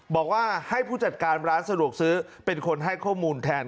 บอกว่าให้ผู้จัดการร้านสะดวกซื้อเป็นคนให้ข้อมูลแทน